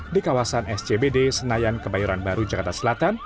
di kawasan scbd senayan kebayoran baru jakarta selatan